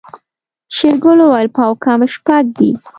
شېرګل وويل پاو کم شپږ دي.